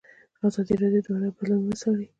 ازادي راډیو د هنر بدلونونه څارلي.